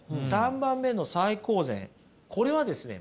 ３番目の最高善これはですね